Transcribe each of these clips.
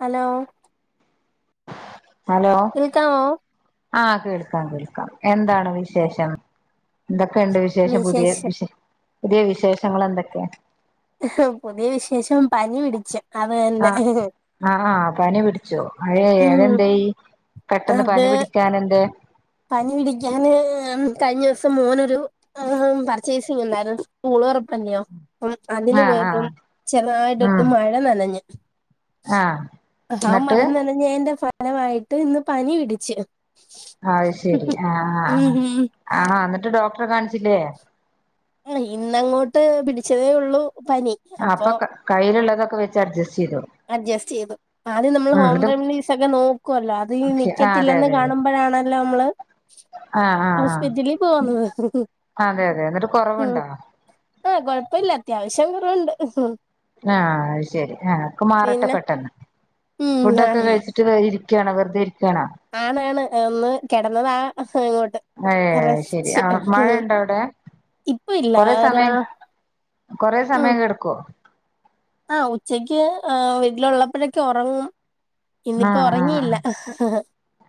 Hello കേൾക്കാവോ ആ കേൾക്കാം കേൾക്കാം എന്താണ് വിശേഷം എന്തൊ ന്തൊക്കെ ഉണ്ട് വിശേഷം പുതിയ വിശേ പുതിയ വിശേഷങ്ങൾ എന്തൊക്കെയാ പുതിയ വിശേഷം പനി പിടിച്ചു ആ ആ ആ പനി പിടിച്ചോ [unintelligible] ഉം അതെന്തേ പെട്ടെന്ന് അത് പനി പിടിക്കാൻ എന്തേ പനി പിടിക്കാന് കഴിഞ്ഞ ദിവസം മോനൊരു പർച്ചേസിങ് ഉണ്ടായിരുന്നു സ്കൂള് തുറപ്പല്ലെയോ അപ്പം അതിന് ആഹ് ആഹ് പോയപ്പം ചെറുതായിട്ടൊന്നു ഉം മഴ നനഞ്ഞ് ആഹ് ആ മഴ എന്നിട്ട് നനഞ്ഞതിൻ്റെ ഫലാ ഫലമായിട്ട് ഇന്ന് പനി പിടിച്ച് അത് ശരി ആ ആ ഉം ഉം ആ ആ എന്നിട്ട് ഡോക്ട ഡോക്ടറെ കാണിച്ചില്ലേ ആ ഇന്നങ്ങോട്ട് പിടിച്ചതേ ഒള്ളൂ അപ്പൊ കയ്യിലുള്ളതൊക്കെ വെച്ച് അഡ്ജസ്റ്റ് ചെയ്തു അഡ്ജസ്റ്റ് ചെയ്തു ആദ്യം നമ്മൾ ഉം ഹോം എന്നിട്ട് റെമഡീസ് ഒക്കെ നോക്കുവല്ലോ അത് ആഹ് അതെ നിക്കത്തില്ലെന്ന് അതെ അതെ കാണുമ്പോഴാണല്ലോ നമ്മള് ആഹ് ആഹ് ഹോസ്പിറ്റലിൽ പോകുന്നത് ആഹ് അതെ അതെ എന്നിട്ട് ഉം കൊറവുണ്ടോ ആ കൊഴപ്പമില്ല അത്യാവശ്യം ലേശം കൊറവുണ്ട് ആ അത് ശരി ആ പിന്നെ [unintelligible] പെട്ടന്ന് ഉം ഫുഡ് ആ ഒക്കെ കഴിച്ചിട്ട് കഴി ഇരിക്കണാ വെറുതെരിക്ക ആണാണ്. ഒന്ന് കിടന്നതാ ഇങ്ങോട്ട് ഏ ശരി റെസ്റ്റ് ആ മഴണ്ടോ അവിടെ ഇപ്പ ഇല്ല കൊറെ ഒരാ സമയം, കൊറെ ഉം സമയം കെടുക്കുവോ ആ ഉച്ചക്ക് ആ വീട്ടിലുള്ളപ്പോഴൊക്കെ ഒറങ്ങും. ഇന്നിപ്പോ ഉറങ്ങിയില്ല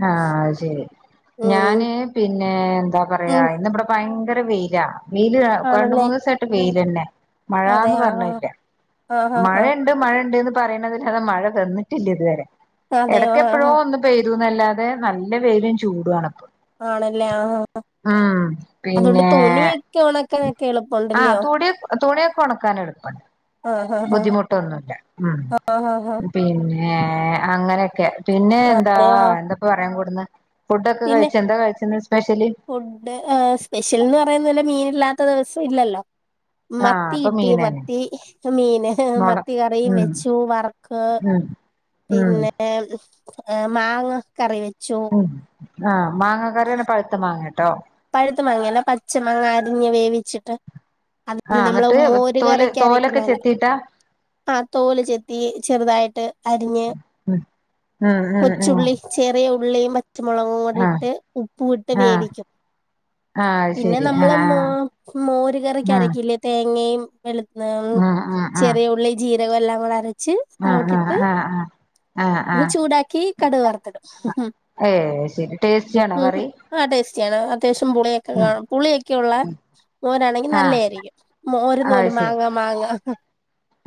ആഹ അ ശരി ഉം ഞാന് പിന്നെ എന്താ പറയാ ഉം ഇന്നിവിടെ ഭയങ്കര വെയില, നീല് രണ്ട ആണല്ലേ മൂന്ന് ദിവസമായിട്ട് പേ വെയിലനെ അതെ മഴാന്ന് ആ പറഞ്ഞല്ല ആ ആ [inaudible] ആ മഴയുണ്ട് മഴുണ്ട്ന്ന് പ് പറയ്ണല്ലാതെ മഴ തന്നിട്ടില്ല ഇതുവരെ അതെ ആ എടക്ക എപ്പോഴോ ഒന്ന് പെയ് ഇതൊന്നല്ലാതെ നല്ല വെയിലും ചൂടും ആണിപ്പോ ആണല്ലേ ആ ആ ഉം അതുകൊണ്ട് പിന്നെ തുണിയൊക്കെ ഉണക്കാനൊക്കെ ആ എളുപ്പമുണ്ടല്ലോ തുണിയ തുണിയൊക്കെ ഉണക്കൻ എളുപ്പ ആഹ് ആഹ് ബുദ്ധിമുട്ടൊന്നുല്ല ഉം ആഹ് ആഹ് ആഹ് ആഹ് പിന്നെ അങ്ങനെയൊക്കെ പിന്നെ എന്താ അതെയോ എന്തൊക്ക പറയാൻ കൊട് അന്ന ഫുഡ്ക്കെ പിന്നെ കഴിച്ചു എന്താ കഴിച്ചന്ന് സ്പ്യഷ്യൽ ഫുഡ് ഏ സ്പെഷ്യൽ എന്ന് പറയുന്നല് മീനില്ലാത്ത ത് ദിവസം ഇല്ലല്ലോ? ആഹ് അപ്പൊ മത്തികിട്ടി മീനന്നെ മത്തി മീന് മുള മത്തി കറിയും ഉം വെച്ചു വറക്ക് ഉം ഉം പിന്നെ? ഹും. ഏ മാങ്ങ കറി വെ ഉം ആ മാങ്ങ കറിന്നെ പഴുത്ത മാങ്ങേട്ടോ പഴുത്ത മങ്ങല്ല പച്ച മാങ്ങ അരിഞ്ഞ് വേവിച്ചിട്ട് അതിന് ആഹ് നമ്മള് എന്നിട്ട് മോര് തോല് കറിക്ക് തോലൊക്കെ അരക്കുന്നലെ ചെത്തിട്ടാ ആ തോല് ചെത്തി ചെറുതായിട്ട് അരിഞ്ഞ് ഉം ഉം ഉം ഉം കൊച്ചുള്ളി ചെറിയ ഉള്ളി ഉള്ളീം പച്ച പച്ചമുളകും കൂടി ആഹ് ഇട്ട് ഉപ്പും ഇട്ട് ആഹ് വേവിക്കും ആഹ് അത് പിന്നെ ശരി നമ്മള് ആഹ് മോ മോര് ആഹ് കറിക്കരക്കില്ലേ തേങ്ങയും വെളുത്ത ഉം ചെറിയ ഉള്ളി ജീര് ഇവയെല്ലാം കൂടെ അരച്ച് ച്ച് ആഹ് ആഹ് ഇലോട്ടിട്ട് ആഹ് ആഹ് ആഹ് ഒന്നു ആഹ് ചൂടാക്കി കടുക് വർത്തിടും ഏ ശരി ടേസ്റ്റിയാണോ ഉം ഉം കറി ആടേസ് [unintelligible] അത്യാശം പുളിയൊക്കെ കാണും പുളിയൊക്കെയുള്ള മോരാണെങ്കി ആഹ് ഇന്നല്ലേരിക്കും മോരെന്ന് അത് പോലും ശരി മാങ്ങാ മാങ്ങ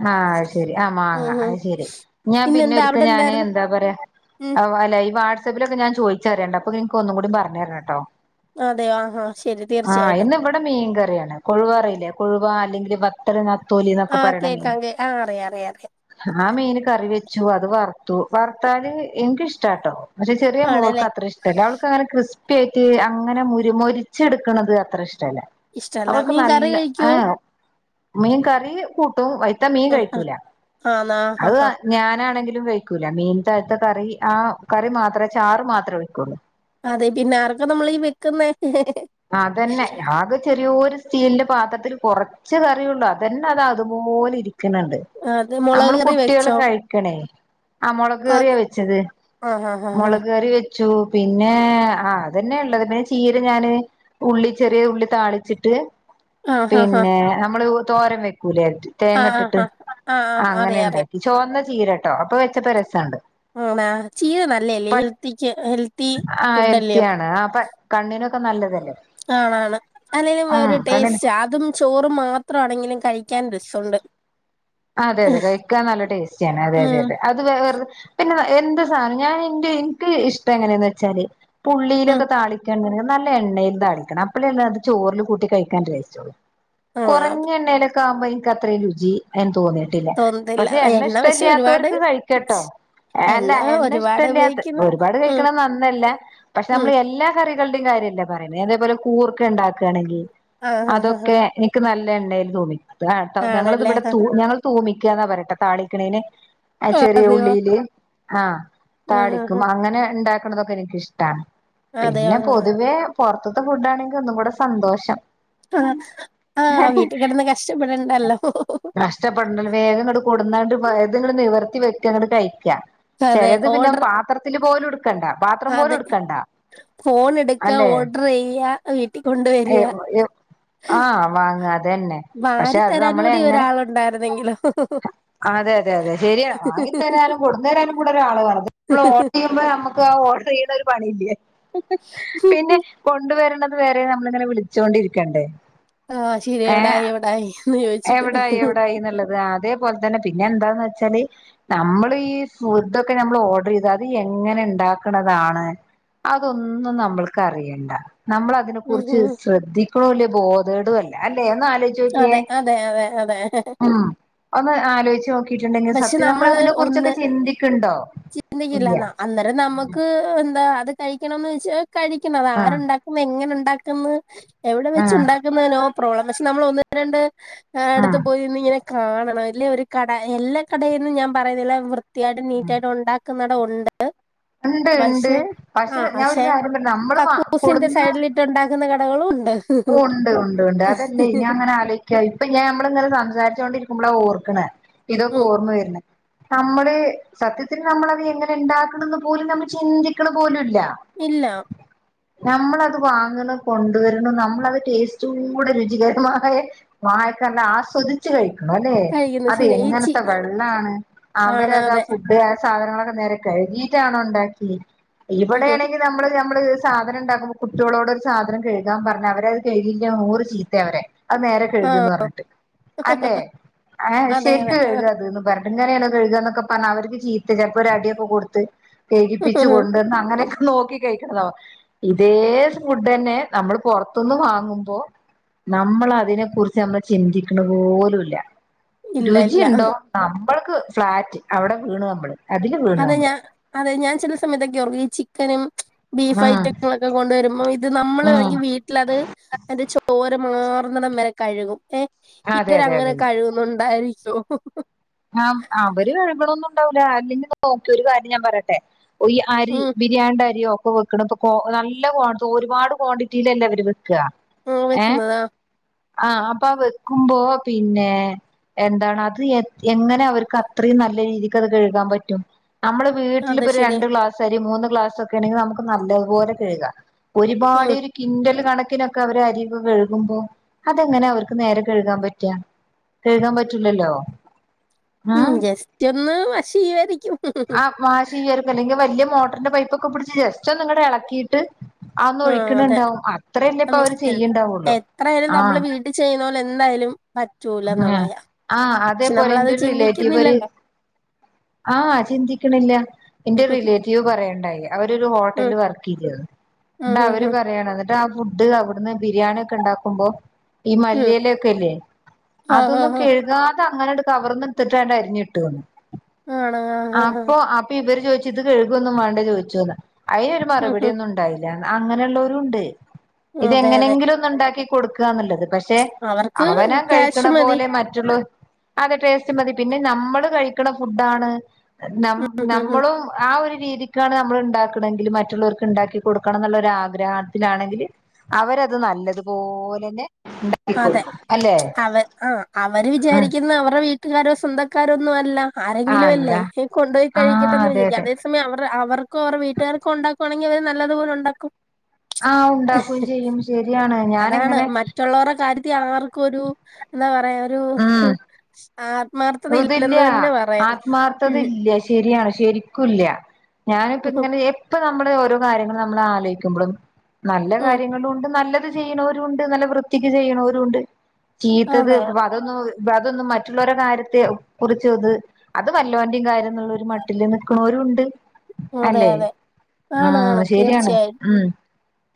ആഹ് അത്‌ശെരി ആ മാങ്ങ ഉം ഉം അത് ശെരി ഞാൻ പിന്നെ ഇന്നെന്താ ഒരിക്കൽ അവിടെ ഞാന് എന്തായിരുന്നു എന്താ പറയാ ഉം അത്പോലെ ഈ വാട്സ സപ്പിലൊക്കെ ഞാൻ ചോയിച്ചറിയണ്ട് അപ്പൊ നിനക്ക് ഒന്നും കൂടി പറഞ്ഞരണംട്ടോ അതെയോ ആഹാ ശരി ആഹ് തീർച്ചയായിട്ടും ഇന്ന് ഇവിടെ മീൻകറിയാണ് കൊഴുവ അറിയില്ലേ കൊഴുവ അല്ലെങ്കി ഒരു പത്തര നാ തൊലി ന്നൊക്ക പറയണ മീ ആഹ് അറിയാം അറിയാം അറിയാം. ആ മീന് കറി വെച്ചു അത് വറുത്തു വറുത്താല് എനിക്കിഷ്ടാട്ടോ പക്ഷെ ചെറിയ മോൾക്ക് ആണല്ലേ അത്ര ഇഷ്ടല്ല അവൾക്ക് അങ്ങന ക്രിസ് പ്പി ആയിട്ട് അങ്ങനെ മുര് മൊരിച്ചെടുക്കണത് അത്ര ഇഷ് ട്ടല്ല ഇഷ്ടല്ല അവൾക്ക് മീൻ കറി നല്ല ആ കഴിക്കോ മീൻ കറി കൂ [unintelligible] ത്ത മീൻ ആഹാ കഴിക്കൂല ആന്നാ അത് ആഹാ ആ ഞാനാണെങ്കിലു രും വെയ്ക്കൂല മീൻത്തെഴത്ത കറി ആ കറി മാത്രെ ചാറ് മാത്രെ ഒഴിക്കുള്ളൂ അതെ പിന്നാർക്ക നമ്മളി വെക്കുന്നെ അതന്നെ ആകെ ചെറിയോരു സ് സ്റ്റീലിന്റെ പാത്രത്തിൽ കൊറച്ച് കറിയൊള്ളു അതന്നെ അത് അതുപോലെ ഇരി ക്കണ്‌ണ്ട് അതെ മുളക് നമ്മള് കറി കുട്ടികള് വെച്ചോ കഴിക്കണേ ആഹ് മൊളക് കയറിയാ അതെ വെച്ചത് ആഹ് ആഹ് ആഹ് മൊളക് കറി വെ ച്ചു പിന്നെ ആഹ് അത്ന്നെ ഒള്ളത് പിന്നെ ചീര ഞാന് ഉള്ളി ചെറിയ ഉള്ളി താളിച്ചിട്ട് ആഹ് ആഹ് പിന്നെ നമ്മള് ഉ തോരവെയ് പുലയ്റ്റ്‌ തേങ്ങ ആഹ് ആഹ് ആഹ് ഇട്ടിട്ട് ആഹ് ആഹ് അങ്ങനെ അറിയാം അറിയാം ഇണ്ടാക്കി ചോന്ന പീരട്ടോ അപ്പൊ വെച്ചപ്പോ രസണ്ട് [unintelligible] ആ ചീര നല്ലല്ലേ ഹെൽത്തിക്ക് ഹെൽത്തി ആഹ് ഫുഡല്ലയോ ഹെൽത്തിയാണ് ആ പ കണ്ണിനൊക്കെ നല്ലതല്ലേ ആണ് ആണ് അല്ലെലും ഉം വേറൊരു കണ്ണിന് ടേസ്റ്റാ അതും ചോറും മാത്രമാണെങ്കിലും കഴിക്കാൻ രസോണ്ട് അതെ അതെ കഴിക്കാൻ നല്ല ടേസ്റ്റിയാണ് അതെ അതെ ഉം അതെ അത് വേറ പിന്നെ എന്ത് സാനം ഞാൻ എന്റെ എനിക്ക് ഇഷ്ടം എങ്ങനെയന്ന് വെച്ചാല് ഉം പുള്ളിയിലൊക്കെ താളിക്കാ എങ്ങനെന്ന് നല്ല എണ്ണയിൽ താളിക്കണം അപ്പളല്ലേ അത് ചോറിൽ കൂട്ടി കഴിക്കാൻ ടേസ്റ്റ്ഒള്ളു ആഹ് അത് കൊറഞ്ഞ എണ്ണേല് കാമ്പയ് കത്രേം രുചി [unintelligible] തോന്നിയിട്ടില്ല തോന്നത്തില്ല പക്ഷെ എണ്ണ പക്ഷെ ഒരുപാട് ഇഷ്ടല്യാത്തോർക്ക് കഴിക്കാട്ടോ അല്ല എണ്ണ ഒരുപാട് ഇഷ്ടല്യാത്ത ഉപയോഗിക്കുന്നത് ഒരുപാട് ഉം കഴിക്കണം നന്നല്ല പക്ഷെ ഉം നമ്മള് എല്ലാ കറി ളുടെയും കാര്യല്ല പറയുന്നേ അതേപോലെ കൂർക്ക ഉണ്ടാക്കാ ണെങ്കി ആഹ് ആഹ് ആഹ് അതൊക്കെ എനിക്ക് നല് [unintelligible] ആഹ് [unintelligible] ഞങ്ങളത് ആണല്ലേ ഇവിടെ തൂ ഞങ്ങള് തൂമി ക്കാ പറയാട്ടോ താളിക്കണേന് ആ ചെറിയ അതെയോ ഉള്ളില് ആഹ് ആഹ് ആഹ് താളിക്കും ആഹ് അങ്ങനെ ഉണ്ടാ അതൊക്കെ എനിക്ക് ഇഷ്ടാണ് അതെയോ പിന്നെ ആഹ് പൊതുവേ പുറത്തുത്തെ ഫുഡ് ആണെങ്കി ഒന്നും ക്കൂടെ സന്തോഷം ആ ആഹ് വീട്ടി കിടന്ന് കഷ്ടപ്പെടണ്ടല്ലോ കഷ്ടപ്പെടണ്ട വേഗങ്ങ കൊടുന്നാണ്ട് [unintelligible] നിവർത്തി വെക്കങ്ങ കഴി ക്ക്യ അതെ ചിലത് പിന്നെ ഓർഡർ പാത്രത്തില് പോലു എടു അതെ ഫോൺ എടുക്ക അല്ലെ ഓർഡർ ചെയ്യ്യ വീട്ടി കൊണ്ട് വരിഅ ആഹ് വാങ്ങ അതന്നെ പക്ഷെ അത് നമ്മൾ എങ്ങനെ ഒരാളുണ്ടായിരുന്നെങ്കിലോ അതെ അതെ അതെ ശരിയ വാങ്ങി തരാനും കൊടുന്നു തരാനും കൂടെ ഒരാള് വേണം ഇത്‌ നമ്മൾ ഓർഡർ ചെയ്യുമ്പോ നമുക്ക് ആ ഓർഡർ ചെയ്യണ ഒരു പണിയില്ലേ പിന്നെ കൊണ്ടുവരണ വേറെ നമ്മളിങ്ങനെ വിളിച്ചോണ്ടിരിക്കണ്ടേ ആഹ് ശരി ഏഹ് എവിടായി എവിടായി ഹ് എവിടായി എവിടായി എന്നുള്ളത് അതേപോലെ തന്നെ പിന്നെ എന്താന്ന് വെ ച്ചല് നമ്മൾ ഈ ഫൂഡൊക്കെ നമ്മള് ഓഡറ് ചെയ്ത അത് എങ്ങനെ ണ്ടാക്കണതാണ് അതൊന്നും നമ്മൾക്ക് അറിയണ്ട നമ്മൾ അതിനെ ഉം കുറിച്ച് ഉം ശ്രദ്ധിക്കുണൂല ബോധേ ദേടുല്ല അല്ലേ ആലോയ്ചോക്യേ അതെ അതെ അതെ അതെ ആഹ് ഒന്ന് ആലോയ്ച്ച് നോക്കിയേ ട്ടുണ്ടെങ്കിൽ സത്യ നമ്മൾ അതിനെ കുറിച്ചൊക്കെ ചിന്തിക്ക്ൻണ്ടോ ചിന്തിക്കില്ലന്നാ അന്നേരം നമ്മക്ക് എന്താ അത് കഴിക്കണന്ന് വെച്ചാൽ കഴിക്കണം അത് ആഹ് ആരുണ്ടാക്കും എങ്ങനെണ്ടാക്കും ക്ക്ന്ന് എവിടെ വെച്ച് ആഹ് ണ്ടാക്കുന്നതിനോ പ്രോബ്ലം പക്ഷേ നമ്മൾ ഒന്ന് രണ്ട് ഞാൻ അടുത്ത് ആഹ് പോയി ഇര്ന്ന് ഇങ്ങനെ കാണണം അല്ലേ ഒരു കട എല്ലാ കടയൊന്നും ഞാൻ പറയുന്നില്ല വൃത്തിയായിട്ട് നീ റ്റായിട്ടും ഉണ്ടാക്കുന്നിടം ഒണ്ട്. ഇണ്ട് ഇണ്ട് ആ പക്ഷേ ഞാൻ ഒരു പക്ഷെ കാര്യം പറ മ്മള് കാ കൊട്ന്ന ക്കുന്ന കടകളും ഉൺ ഉണ്ട് ഉണ്ട് ഉണ്ട് അതല്ലേയ് ഞാൻ ഇങ്ങനെ ആലോയ്ക്കാ ഇപ്പ ഞാനമ്മള്ങ്ങനെ സംസാരിച്ചോണ്ടിരി ക്കുമ്പളാ ഓർക്കണെ. ഇതൊക്കെ ഉം ഓർമ്മ വര്ണെ. നമ്മള് സത്യത്തില് നമ്മളത് എങ്ങനെ ഇങ്ങനെ ഇണ്ടാക്ക്ണ്ന്ന് പോലും നമ്മള് ചിന്തിക്ക്ണ് പോലുല്ല. ഇല്ല നമ്മളത് വാങ്ങ്ണ് കൊണ്ടുവര്ണ് നമ് മ്മളത് ടെസ്റ്റോടെ രുചികരമായ വായക്ക് അല്ല ആസ്വദിച്ച് കഴിക് ന്നാല്ലേ കഴിക്കുന്ന അത് ശീല ഈ ചി എങ്ങനത്തെ വെള്ളാണ് ആണ് അവരത് ആ അതെ ഫുഡ് ആഹ് സാധനങ്ങളൊ അന്നേരം കഴുകീട്ടാണോ ഉണ്ടാക്കെ ഉം, ഉം. ഇവടേണെങ്കി നമ്മള് ഞമ്മള് സാധനം ണ്ടകുമ്പോ കുട്ട്യോളോട് ഒരു സാധനം കഴുകാൻ പർഞ്ഞ അവര് ത അവര് കെയ്‌കീകെ നൂറ് ചീത്തെ അവരെ അത് നേരെ ആ കഴ്ക്ന്ന് പർഞ്ഞിട്ട് അല്ലേ ആ അതെ അതെ ശരിക്ക് ആ. കയ്ക് അത് ന്ന് പർഞ്ഞിട്ട് ഇങ്ങനെണോ കഴ്കൊന്നൊക്കെ പർഞ് അവര്ക്ക് ചീത്ത ചെലപ്പോ ഒര് അടിഒക്കെ കൊട്ത്ത് കെയ്കിപ്പിച്ച് കൊണ്ടോ ന്ന് അങ്ങനൊക് നോക്കി കഴിക്ണതോ ഇതേ ഫഡെന്നെ നമ്മള് പൊർ ത്ത്ന്ന് വാങ്ങുമ്പോ നമ്മള് അതിനെ കുറിച്ച് നമ്മള് ചിന്തിക്ണപോലുല്ല. ഇല്ല ഇല്ല രുചിയുണ്ടോ അ നമ്മൾക്ക് ഫ്ളാറ്റ് അവിടെ വീണ് അമ്മള്. അതെ ഞാൻ അതെ ഞാൻ ചെല സമയത്തൊക്കെ ഓർകു ഈ ചിക്കനും ബീഫ് ഉം ഐറ്റങ്ങളൊക്കെ കൊണ്ട് വരുമ്പോ ഇത് നമ്മള് ഉം വങ്കി വീട്ടിലത് അതിന്റെ ചോര മാർന്നടം വരെ കൈകും ഏ അതെ ഇവര് അങ്ങനെ കഴുകുന്നുണ്ടായിരി സോ ആ അവര് കഴുക്ണ്ന്ന് ഉണ്ടോ അല്ല അല്ലേങ്കി നോക്ക് ഒരു കാര്യം ഞാൻ പറയട്ടെ ഈ അരി ഉം ബിരിയാണിന്റെ അരിയോ വെക്നദ് നല്ല ഒരുപാട് ക്വാണ്ടിറ്റിയിലല്ല അവര് യ ഉം ഏ വെക്കുന്നതാ ആ അപ്പൊ വെക്കുമ്പോ പിന്നെ എന്താണ് അത് എങ്ങനെ അവർക്ക് അത്രയും നല്ല രീതിക്ക് അത് കഴുകാൻ പറ്റും നമ്മള് അതെ വീട്ടിലിപ്പൊ ശരിയാ രണ്ട് ക്ലാസ്സരി മൂന്ന് ഗ്ലാസ് ഒക്കെ ആണെങ്കിൽ നമുക്ക് നല്ലതുപലെ കഴുകാം ഒരുപാട് ഉം രു കിൻഡൽ ക ക്കിനൊക്കെ അവര് അരിവ് കഴുകുമ്പോ അതെങ്ങനെ അവർക്ക് നേരെ കഴുകാൻ പറ്റാ കഴുകാൻ പറ്റൂലല്ലോ ഉം ജസ്റ്റ് ഒന്ന് വശീവരിക്കും മോട്ടറിന്റെപയപ് ഒക്കെ പിടിച്ച് ജസ്റ്റ് ഒ നിങ്ങളടെ ഇളക്കിയിട്ട് അന്ന ആ അതെ ഒഴിക്കണണ്ടാവും അത്രല്ല ഇപ്പൊ ഉം, അവര് എ- ചെയ്യണ്ടാവുള്ളു എത്രയായാലും ആ നമ്മൾ വീട്ടിൽ ചെയ്യുന്ന പോലെ എന്തായാലും പറ്റൂല ആ എന്നുള്ളതാ ആ പക്ഷെ അതേപോലെ എന്റെ നമ്മളത് ഒരു റിലേറ്റീവ്ര് ഒരു ചിന്തിക്കുന്നില്ലല്ലോ ആ ചിന്തിക്കണില്ല എന്റെ ഉം റിലേറ്റീവ് പറയണ്ടായി അവര് ഒരു ഉം ഹോട്ടല് വർക്ക് ചെയ്യാണ് ഉം ട്ട് ഉം അവര് ഉം പറയാ അധ് [unintelligible] ഫുഡ് അവിടുന്ന് ബിരിയാണി ഒക്കെ ഉണ്ടാക്കുമ്പോ ഈ ഉം മല്ലിയല ഒക്കെല്ലേ ആ ആ അധോന്നും ആ കഴുകാ അത് അങ്ങനെട്ട് കവർന്ന എത്തിട്ട്അറിഞ്ഞു ട്ട് ന്ന് ആണ് ആ ആ ആ അപ്പൊ അപ്പൊ ഇവര് ചോദിച്ചു ഇത് കഴുകുവന്നുമാണ്ടെന്ന് ചോദിച്ചു അതിന് ഒരു ഉം മറുപടിയൊന്നും ഉണ്ടായിരുന്നി അങ്ങനെയുള്ളവരുണ്ട് ഉം അതെ അതെ ഇതെങ്ങനെങ്കിലും ഒന്ന് ഉണ്ടാക്കി കൊടുക്കുകന്നുള്ളത് പക്ഷെ ക്ഷെ അവർക്ക് അവനോൻ കഴി- ക്യാഷ് ണ മതി പോലെ മറ്റുള്ള അതെ ടേസ്റ്റ് മതി. പിന്നെ നമ്മള് കഴിക്കണ ഫുഡാണ് ന ഉം ഉം ഉം. നമ്മളും ആ ഒരു രീതിക്കാണ് നമ്മൾ ഉണ്ടാക്കണമെങ്കിൽ മറ്റുള്ളവർക്ക് ഉണ്ടാക്കി കൊടുക്കണം എന്നുള്ളൊ ആഗ്രഹത്തിലാണെങ്കിൽ അവരത് നല്ലതുപോലെന്നെ ഉണ്ടാക്കി അതെ കൊടുക്കും. അല്ലേ? അവ ആ അവര് വിചാരിക്കുന്ന അവർ വീട്ടുകാരോ സ്വന്തക്കാരോ ഒന്നും അല്ല. ആരെങ്കിലും അല്ല അല്ലേ കൊണ്ടു പോയി ആ കഴിക്കട്ടന്ന് അതെ വിചാരിക്കും. അതെ അതേ സമയം അവർ അവ അവർക്കോ വീട്ടുകാർക്കും ഉണ്ടാക്കുവാണെങ്കി അവര് നല്ലതു പോലെ ഉണ്ടാക്കും. ആ ഉണ്ടാക്കുകയും ചെയ്യും ശരിയാണ്. ഞാന് അങ്ങനെ അവർക്കൊരു [unintelligible] പയരു അതില്ല ഉം ആത്മാർഥതല്ല ശരിയാണ് ശരിക്കൂല്ല ഞാനോക്കെ ഉം ഇങ്ങനെ എപ്പ നമ്മടെ ഓരോ കാര്യങ്ങൾ നമ്മൾ ആലോചിക്കുമ്പോളും നല്ല ഉം. കാര്യങ്ങളുണ്ട് നല്ല ത് ചെയ്യണവരുണ്ട് നല്ല വൃത്തിക്ക് ചെയ്യണവരുണ്ട് ചീത്തത് അതെ പ്പ അതെ അതൊന്നു ബാ തൊന്നും മറ്റുള്ളവരെ കര്യത [unintelligible] കുറിച്ച്ത് അത് വല്ലോന്റെയും കാര്യം ന്നുള്ള ഒരു മട്ടില് നിക്കണോരും ഉണ്ട് അതെ അല്ലെ അതെ ആ ആണ് ആണ് ശര്യാണ് തീർച്ചയായും ഉം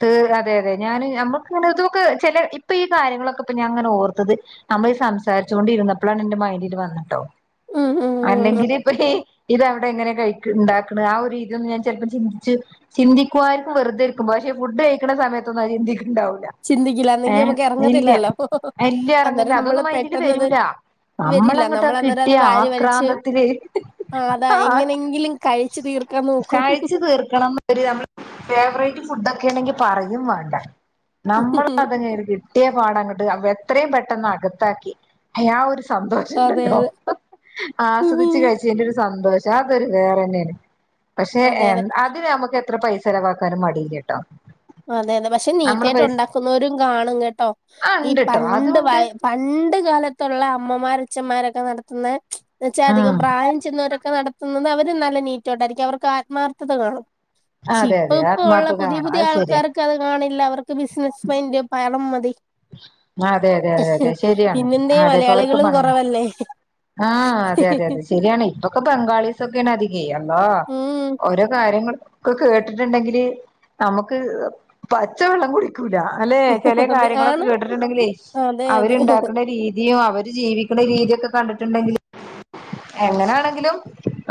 ത് അതെ അതെ ഞാന് ഞമ്മക്ക് നെ ഇതൊക്കെ ചെല ഇപ്പൊ ഈ കാര്യങ്ങളൊക്കെ ഇപൊ ഞൻ അങ്ങനെ ഓർത്തത് നമ്മൾ സംസാരിച്ചുകൊണ്ടിരുന്നപ്പോഴാണ് എന്റെ മൈൻഡില് വന്ന ഇട്ടോ ഉം ഉം ഉം ഉം. അല്ലെങ്കിൽ ഇപ്പ ഹി ഇത് അവിടെ എങ്ങനെ കഴിക് ഇണ്ടാക്കണ് ആ ഒരു രീതി ഒന്ന് ഞൻ ചിലപ്പോ ചിന്തിച്ചു ചിന്തിക്കുആയിരിക്കും വെറുതെരിക്കുംമ്പോ ക്ഷേ ഫുഡ് കഴിക്കുന്ന സമയത്തൊന്നും അത് ചിന്തിക് ചിന്തിക്കില്ല എന്നങ്കി നമുക്ക് ഇറങ്ങത്തില്ലല്ലോ ഇല്ല എറങ്ങൂല അന്നേരം നമ്മള് അതൊന്നും പെട്ടെന്നത് വരില്ല നമ് ആകിട്ടിയ ആക്രാന്തത്തിൽ അതാ ആ എങ്ങനെങ്കിലും കഴിച്ചു തീർക്കാൻ നോക്കും കഴിച്ചു തീർക്കണം നമ്മൾ ഫ്ലേവറൈറ്റ് ഫു ഫുഡൊക്കെണങ്കി പറയും വേണ്ട നമ്മള അതങ്ങെയിരിക് ട്ടിയ പാടങ്ങട്ട് അവ എത്രയും പെട്ടെന്നകത്താക്കി അ ആ ഒരു അതെ അതെ ആസ്വദിച്ച് കഴിച്ചേന്റരു സന്തോഷം [unintelligible] വേറെന്നേണ് പക്ഷെ അതെ എ അതെ അത് നമുക്ക് എത്ര പൈസ ചെലവാക്കാനും മടിയില്ലട്ടോ അതെ അതെ പക്ഷെ നീറ്റായിട്ടുണ്ടാക്കുന്നവരും കാണും കേട്ടോ ആ ഈ ഉണ്ട്ട്ടോ പണ്ട് പ അതുണ്ട് പണ്ട് കാലത്തുള്ള അമ്മമാര് അച്ഛന്മാരൊക്കെ നടത്തുന്ന എന്ന വെച്ചാധികം ഉം പ്രായം ചെന്നവരൊക്കെ നട ന്നത് അവര് നല്ല നീറ്റോട്ടായിരിക്കും അവർക്ക് ആത്മാർത്ഥത കാണും അതെ അതെ ആത്മാർത്ഥത കാണും അത് ശരിയാ ക്കാർക്കത് കാണില്ല അവ ക്ക്ബിസിനസ് മൈൻ്റ് പ ആ അതെ അതെ അതെ അതെ ശരിയാണ് പിന്നെന്തേ അതെപ്പ അവർക്ക് മ മലയാളികളും കുറവല്ലേ ആ അതെ അതെ അതെ ശരിയാണ് ഇപ്പൊക്കെ ബംഗാളിസൊക്കേണ് അതി യ്യേ അള്ളാ ഉം ഓരോ കാര്യങ്ങള് ഒക്ക കേട്ടിട്ടുണ്ടെങ്കില് നമുക്ക് പച്ചവെള്ളം കുടി ക്കൂല അല്ലേ അതെ ചെലകാര്യങ്ങളൊ ആണ്. കേട്ടിട്ടുണ്ടെങ്കിലേ അതെ, അതെ. അവരുണ്ടാക്കുന്ന രീതിയും അവര് ജീവിക്കുന്ന രീതിക്കേ കണ്ടിട്ടുണ്ടെങ്കില് എങ്ങനാണെങ്കിലും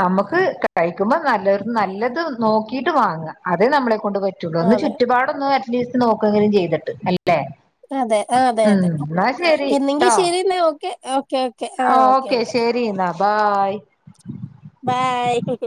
നമ്മക്ക് കെട്ടഴിക്കുമ്പോ നല്ല നല്ലത് നോക്കീട്ട് വാങ്ങ അതെ നമ്മളെ ക്കൊണ്ട് പറ്റുള്ളൂ അന്ന് അതെ. ചുറ്റുപാടൊന്ന് ലീസ്റ്റ് നോക്കങ്കിലും ചെയ്തിട്ട് അല്ലെ അതെ ആ അതെ അതെ എന്നെങ്കിശരിന്നാ ഓക്കേ ഓ ആ ഓക്കേ ശരിന്നാ ബായ് ബായ്